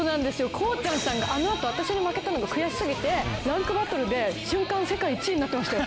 こうちゃんさんがあのあと私に負けたのが悔しすぎてランクバトルで瞬間世界１位になってましたよ。